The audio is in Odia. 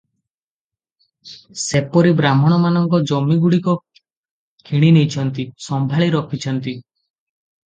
ସେପରି ବ୍ରାହ୍ମଣମାନଙ୍କ ଜମିଗୁଡ଼ିକ କିଣିନେଇଛନ୍ତି, ସମ୍ଭାଳି ରଖିଛନ୍ତି ।